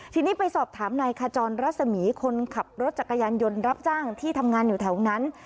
ทีนี้ไปสอบถามนายขจรรัศมีคนขับรถจักรยานยนต์รับจ้างที่ทำงานอยู่แถวนั้น